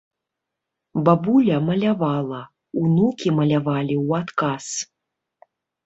Бабуля малявала, унукі малявалі ў адказ.